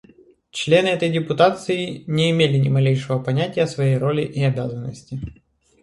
Члены этой депутации не имели ни малейшего понятия о своей роли и обязанности.